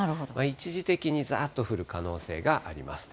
一時的にざーっと降る可能性があります。